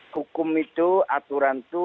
hukum itu aturan itu